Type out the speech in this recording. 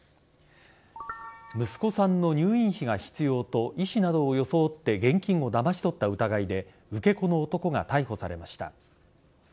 息子さんの入院費が必要と医師などを装って現金をだまし取った疑いで受け子の男が逮捕されました。